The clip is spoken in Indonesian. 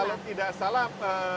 kalau tidak salah